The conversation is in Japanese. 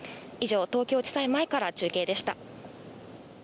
以上、東京地裁前から中継でした。